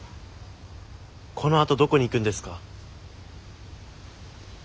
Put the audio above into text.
このあとどこに行くんですか？